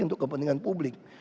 untuk kepentingan publik